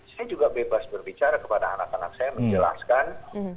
saya juga bebas berbicara kepada anak anak saya menjelaskan